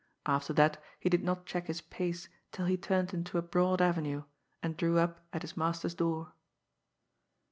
After that he did not check his pace till he turned into a broad avenue, and drew up at his master's door.